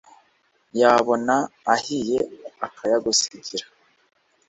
yabona ahiye akayagusigira